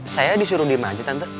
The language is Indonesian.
saya disuruh dirima aja tante